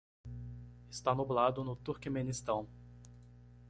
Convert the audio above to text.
está nublado no Turquemenistão